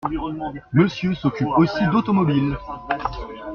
Monsieur s’occupe aussi d’automobile ?